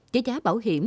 chỉ giá bảo hiểm